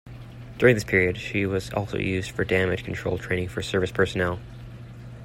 During this period, she was also used for damage control training for service personnel.